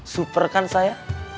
super kan saya